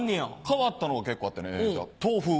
変わったのが結構あってねじゃ豆腐。